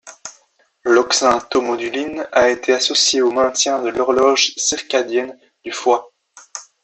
L'oxyntomoduline a été associée au maintient de l'horloge circadienne du foie.